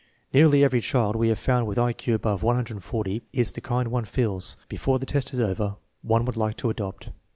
Nearly every child we have found with I Q above 140 is the kind one feels, before the test is over, one would like to adopt.